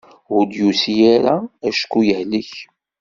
Ur d-yusi ara acku yehlek.